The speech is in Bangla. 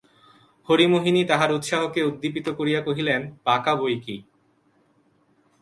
হরিমোহিনী তাহার উৎসাহকে উদ্দীপিত করিয়া কহিলেন, পাকা বৈকি!